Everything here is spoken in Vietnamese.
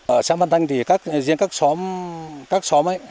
ở xã văn thanh thì riêng các xóm ấy